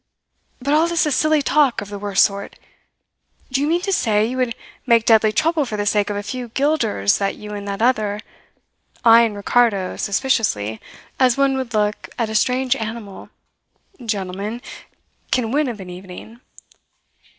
But all this is silly talk of the worst sort. Do you mean to say you would make deadly trouble for the sake of a few guilders that you and that other" eyeing Ricardo suspiciously, as one would look at a strange animal "gentleman can win of an evening?